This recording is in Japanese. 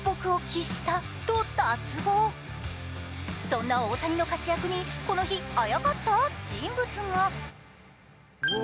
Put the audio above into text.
そんな大谷の活躍にこの日、あやかった人物が。